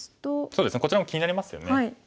そうですねこちらも気になりますよね。